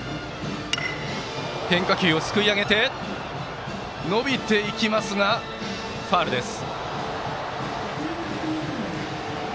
変化球をすくい上げて伸びましたがファウルです。